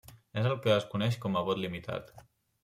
És el que es coneix com a vot limitat.